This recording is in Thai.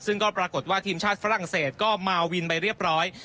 ซึ่งก็ปรากฏว่าทีมชาติฝรั่งเศสก็มาวินไปเรียบร้อย